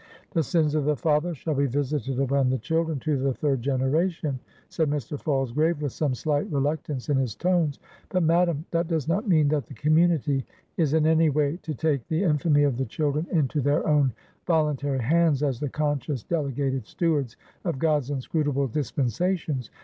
"'The sins of the father shall be visited upon the children to the third generation,'" said Mr. Falsgrave, with some slight reluctance in his tones. "But Madam, that does not mean, that the community is in any way to take the infamy of the children into their own voluntary hands, as the conscious delegated stewards of God's inscrutable dispensations.